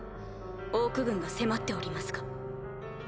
オーク軍が迫っておりますが。